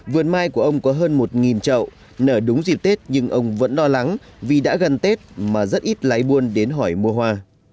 vườn mai của ông có hơn một trậu nở đúng dịp tết nhưng ông vẫn lo lắng vì đã gần tết mà rất ít lái buôn đến hỏi mua hoa